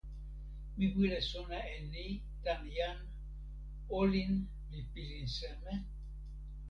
mi wile sona e ni tan jan: olin li pilin seme?